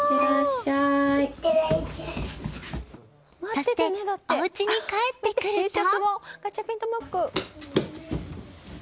そしておうちに帰ってくると。